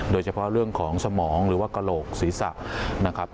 โดยเฉพาะเรื่องของสมองหรือว่ากระโหลกศีรษะนะครับ